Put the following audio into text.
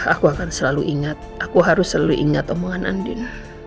aku akan selalu ingat aku harus selalu ingat omongan andin